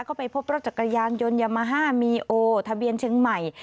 ก็ไปพบรถจักรยานยนต์ยามาฮ่ามีโอทะเบียนเชียงใหม่